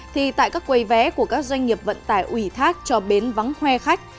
thì tại các quầy vé của các doanh nghiệp vận tải ủy thác cho bến vắng khoe khách